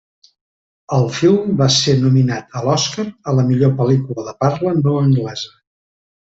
El film va ser nominat a l'Oscar a la millor pel·lícula de parla no anglesa.